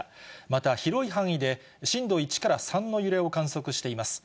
また広い範囲で震度１から３の揺れを観測しています。